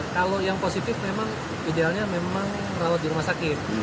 kalau yang positif memang idealnya memang merawat di rumah sakit